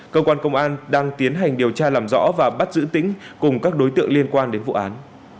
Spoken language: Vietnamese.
cơ quan công an đang tiến hành điều tra làm rõ và bắt giữ tính cùng các đối tượng liên quan đến vụ án